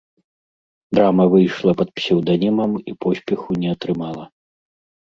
Драма выйшла пад псеўданімам і поспеху не атрымала.